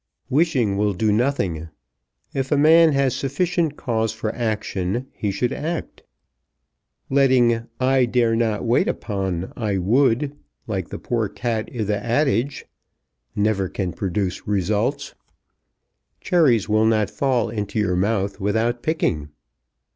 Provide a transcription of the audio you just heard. Wishing will do nothing. If a man has sufficient cause for action he should act. "Letting I dare not wait upon I would, Like the poor cat i' the adage," never can produce results. Cherries will not fall into your mouth without picking.